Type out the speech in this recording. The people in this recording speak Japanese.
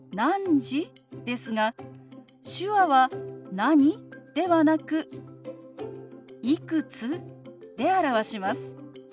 ですが手話は「何？」ではなく「いくつ？」で表します。